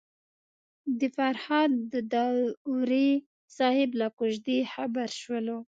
د فرهاد داوري صاحب له کوژدې خبر شولو.